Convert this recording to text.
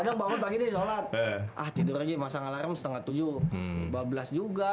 kadang bangun pagi ini sholat ah tidur lagi masang alarm setengah tujuh dua belas juga